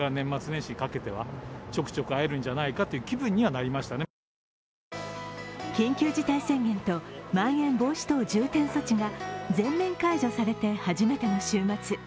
こちらの男性は緊急事態宣言とまん延防止措置が全面解除されて初めての週末。